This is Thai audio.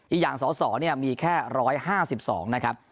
อีกอย่างสสมีแค่๑๕๒นะครับ